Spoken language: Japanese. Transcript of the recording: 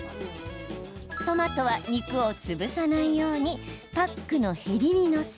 トマトは肉を潰さないようにパックのへりに載せ